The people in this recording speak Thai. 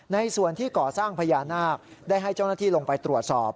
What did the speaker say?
ในส่วนที่ก่อสร้างพญานาคได้ให้เจ้าหน้าที่ลงไปตรวจสอบ